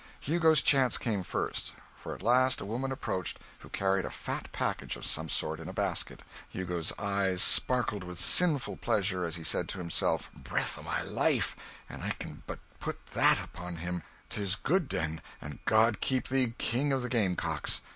Hugo's chance came first. For at last a woman approached who carried a fat package of some sort in a basket. Hugo's eyes sparkled with sinful pleasure as he said to himself, "Breath o' my life, an' I can but put that upon him, 'tis good den and God keep thee, King of the Game Cocks!"